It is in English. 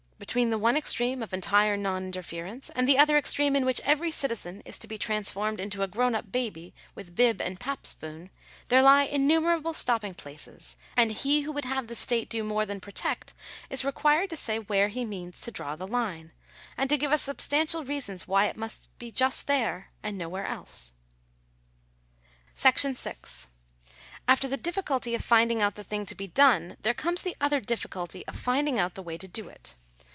Between the one extreme of entire non interference, and the other extreme in which every citizen is to be transformed into a grown up baby, " with bib and pap spoon," there lie innumerable stopping places ; and he who would have the state do more than protect is required to say where he means to draw the line, and to give us substantial reasons why it must be just there and nowhere else. §6. After the difficulty of finding out the thing to be done, there comes the other difficulty of finding out the way to do it.